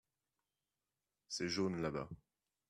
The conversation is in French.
Ces jaunes là-bas.